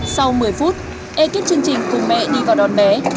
sau một mươi phút ekip chương trình cùng mẹ đi vào đón bé